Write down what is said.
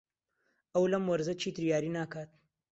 ئەو لەم وەرزە چیتر یاری ناکات.